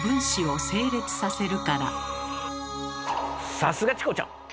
さすがチコちゃん！